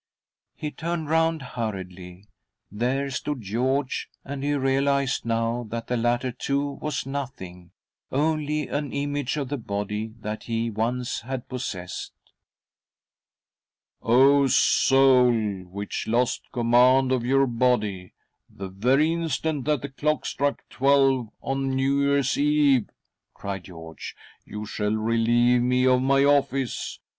He turned round hurriedly. There stood George, and he realised now that the latter, too, was nothing —only an image of the body that he once had possessed. " O soul which lost command of your body, the very instant that the clock struck twelve on New Year's Eve," cried George, " you shall relieve me of my office